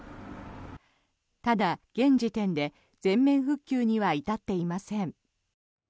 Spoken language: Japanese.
ただ、現時点で全面復旧には至っていません。